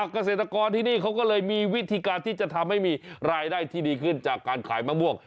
เกษตรกรที่นี่เขาก็เลยมีวิธีการที่จะทำให้มีรายได้ที่ดีขึ้นจากการขายมะม่วง